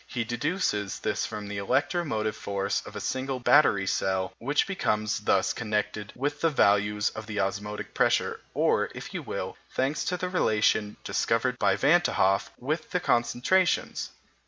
He deduces this from the electromotive force of a single battery cell which becomes thus connected with the values of the osmotic pressures, or, if you will, thanks to the relation discovered by Van t' Hoff, with the concentrations.